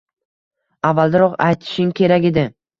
Avvalroq aytishing kerak edi